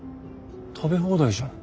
食べ放題じゃん。